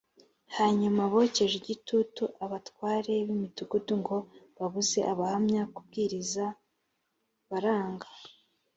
hanyuma bokeje igitutu abatware b’ imidugudu ngo babuze abahamya kubwiriza baranga